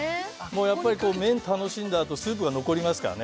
やっぱり麺楽しんだ後スープが残りますからね